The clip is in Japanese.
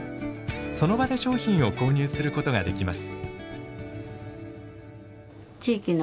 その場で商品を購入することができます。